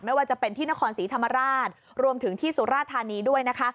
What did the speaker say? ไม่ว่าจะเป็นที่นครศรีธรรมราชรวมถึงที่สุราธานีด้วยนะคะ